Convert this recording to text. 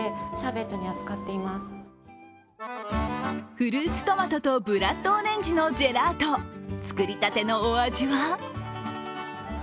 フルーツトマトとブラッドオレンジのジェラート、作りたてのお味は？